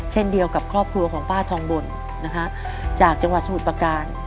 เช่นเดียวกับครอบครัวของป้าทองบนนะฮะจากจังหวัดสมุทรประการ